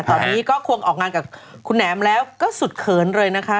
ตอนนี้ก็ควงออกงานกับคุณแหนมแล้วก็สุดเขินเลยนะคะ